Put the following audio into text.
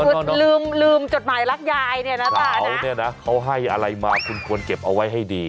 คือลืมลืมจดหมายรักยายเนี่ยนะคะเขาเนี่ยนะเขาให้อะไรมาคุณควรเก็บเอาไว้ให้ดี